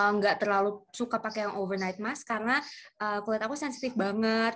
nggak terlalu suka pakai yang overnight musk karena kulit aku sensitif banget